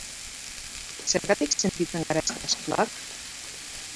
Zergatik sentitzen gara estresatuak?